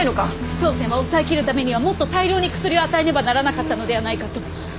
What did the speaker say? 笙船は抑えきるためにはもっと大量に薬を与えねばならなかったのではないかと。